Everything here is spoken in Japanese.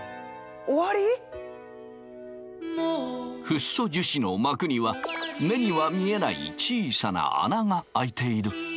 フッ素樹脂の膜には目には見えない小さな穴があいている。